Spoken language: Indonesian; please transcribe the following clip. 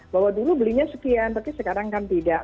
bahwa dulu belinya sekian tapi sekarang kan tidak